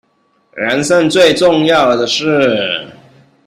人生最重要的事